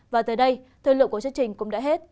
và tới đây thời lượng của chương trình cũng đã hết